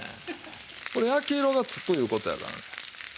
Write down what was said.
これ焼き色がつくいう事やからね。